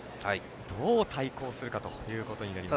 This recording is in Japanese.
どう対抗するかということになります。